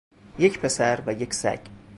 یک پسر و یک سگ